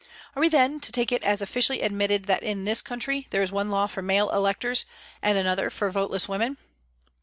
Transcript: Are we then to take it as officially admitted that in this country there is one law for male electors and another for voteless women